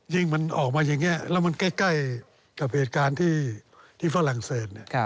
มันออกมาอย่างนี้แล้วมันใกล้กับเหตุการณ์ที่ฝรั่งเศส